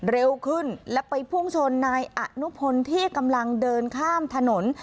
เร็วขึ้นและไปพุ่งชนนายอนุพลที่กำลังเดินข้ามถนน